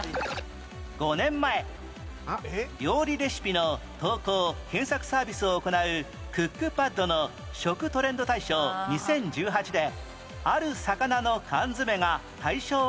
５年前料理レシピの投稿・検索サービスを行うクックパッドの食トレンド大賞２０１８である魚の缶詰が大賞を受賞